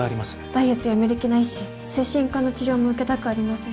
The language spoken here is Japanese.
ダイエットやめる気ないし精神科の治療も受けたくありません。